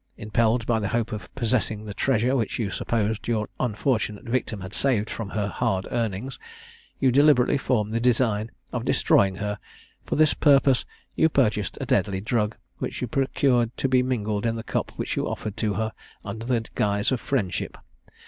Impelled by the hope of possessing the treasure which you supposed your unfortunate victim had saved from her hard earnings, you deliberately formed the design of destroying her; for this purpose you purchased a deadly drug, which you procured to be mingled in the cup which you offered to her under the guise of friendship.